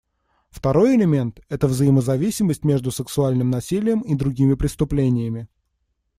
Второй элемент — это взаимозависимость между сексуальным насилием и другими преступлениями.